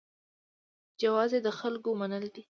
جواز یې د خلکو منل دي.